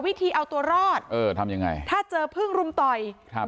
วิธีเอาตัวรอดเออทำยังไงถ้าเจอพึ่งรุมต่อยครับ